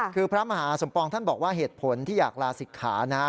คือพระมหาสมปองท่านบอกว่าเหตุผลที่อยากลาศิกขานะ